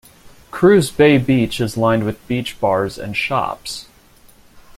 Cruz Bay beach is lined with beach bars and shops.